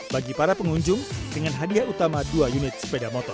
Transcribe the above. bagi para pengunjung dengan hadiah utama dua unit sepeda motor